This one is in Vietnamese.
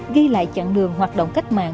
ghi lại chặng đường hoạt động cách mạng